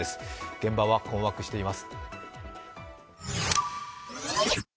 現場は困惑しています。